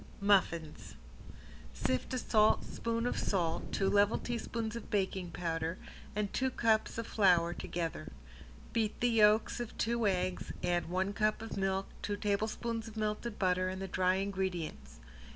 ~MUFFINS~ Sift a saltspoon of salt, two level teaspoons of baking powder, and two cups of flour together. Beat the yolks of two eggs, add one cup of milk, two tablespoons of melted butter, and the dry ingredients.